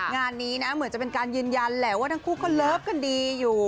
งานนี้นะเหมือนจะเป็นการยืนยันแหละว่าทั้งคู่ก็เลิฟกันดีอยู่